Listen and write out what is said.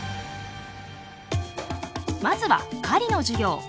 まずは狩りの授業。